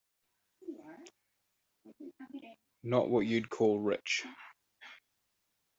Not what you'd call rich.